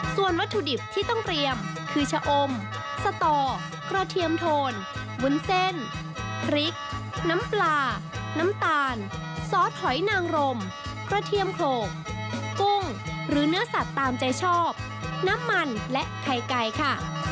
ส่วนวัตถุดิบที่ต้องเตรียมคือชะอมสตอกระเทียมโทนวุ้นเส้นพริกน้ำปลาน้ำตาลซอสหอยนางรมกระเทียมโขลงกุ้งหรือเนื้อสัตว์ตามใจชอบน้ำมันและไข่ไก่ค่ะ